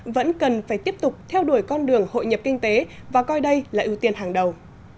vẫn cần phải tiếp tục theo đuổi con đường hội nhập kinh tế và coi đây là ưu tiên hàng đầu